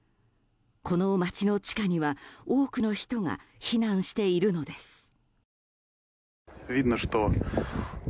この街の地下には多くの人が避難しているのです。